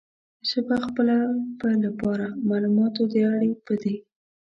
ژبه خپله په لپاره، معلوماتو د اړه پدې